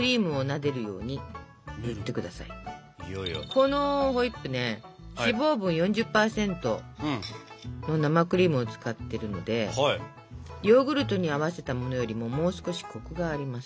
このホイップね脂肪分４０％の生クリームを使ってるのでヨーグルトに合わせたものよりももう少しコクがあります。